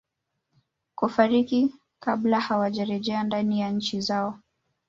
kufariki kabla hawajerejea ndani ya nchi zao